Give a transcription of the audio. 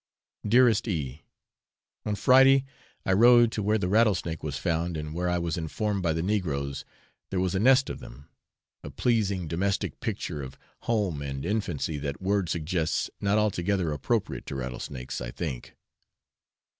Dearest E . On Friday, I rode to where the rattlesnake was found, and where I was informed by the negroes there was a nest of them a pleasing domestic picture of home and infancy that word suggests, not altogether appropriate to rattlesnakes, I think.